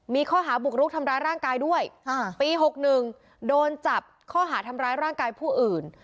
มีข้อหาบุกรุกทำร้ายร่างกายด้วยปี๖๑โดนจับข้อหาทำร้ายร่างกายผู้อื่น